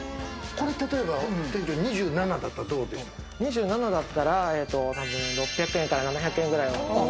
これ、例えば店長、２７だっ２７だったら、６００円７００円ぐらい。